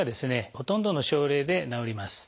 ほとんどの症例で治ります。